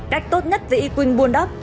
cách tốt nhất về ý quỳnh buôn đắp